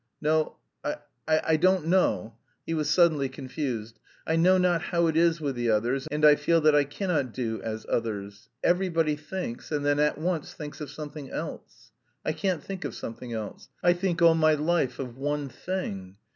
No, I... I don't know." He was suddenly confused. "I know not how it is with the others, and I feel that I cannot do as others. Everybody thinks and then at once thinks of something else. I can't think of something else. I think all my life of one thing.